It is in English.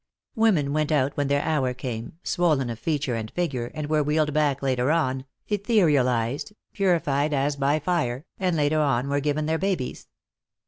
Women went out when their hour came, swollen of feature and figure, and were wheeled back later on, etherealized, purified as by fire, and later on were given their babies.